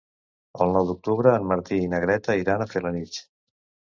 El nou d'octubre en Martí i na Greta iran a Felanitx.